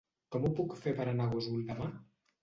Com ho puc fer per anar a Gósol demà?